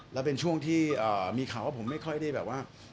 แล้วเป็นช่วงที่มีข่าวว่าผมไม่ค่อยได้แบบว่า